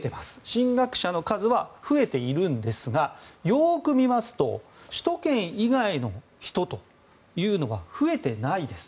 進学者の数は増えているんですがよく見ますと首都圏以外からの人は増えていないです。